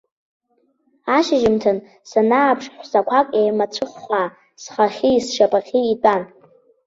Ашьыжьымҭан санааԥш ҳәсақәак еимацәыххаа, схахьи сшьапахьи итәан.